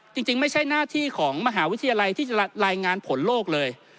จริงไม่ใช่หน้าที่ของมหาวิทยาลัยที่จะรายงานผลโลกเลย